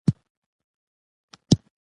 ستا صحت ښه دی؟